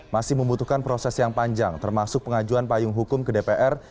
masih membutuhkan proses yang panjang termasuk pengajuan payung hukum ke dpr